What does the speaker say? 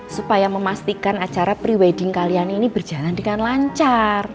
supaya memastikan acara pre wedding kalian ini berjalan dengan lancar